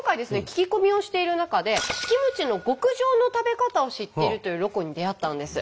聞き込みをしている中でキムチの極上の食べ方を知っているというロコに出会ったんです。